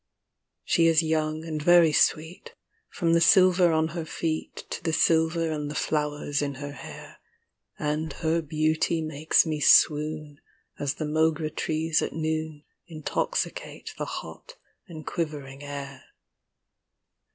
She is young and very sweet, From the silver on her feet To the silver and the flowers in her hair, And her beauty makes me swoon, As the Moghra trees at noon Intoxicate the hot and quivering air.